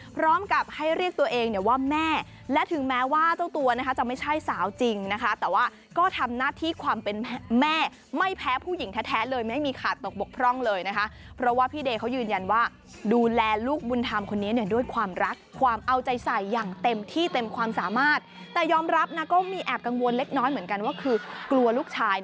พร้อมกับให้เรียกตัวเองเนี่ยว่าแม่และถึงแม้ว่าเจ้าตัวนะคะจะไม่ใช่สาวจริงนะคะแต่ว่าก็ทำหน้าที่ความเป็นแม่ไม่แพ้ผู้หญิงแท้เลยไม่มีขาดตกบกพร่องเลยนะคะเพราะว่าพี่เดย์เขายืนยันว่าดูแลลูกบุญธรรมคนนี้เนี่ยด้วยความรักความเอาใจใส่อย่างเต็มที่เต็มความสามารถแต่ยอมรับนะก็มีแอบกังวลเล็กน้อยเหมือนกันว่าคือกลัวลูกชาย